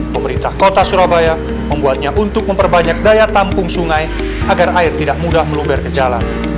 pemerintah kota surabaya membuatnya untuk memperbanyak daya tampung sungai agar air tidak mudah meluber ke jalan